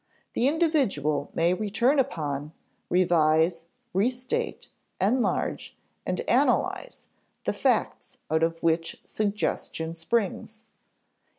The individual may return upon, revise, restate, enlarge, and analyze the facts out of which suggestion springs.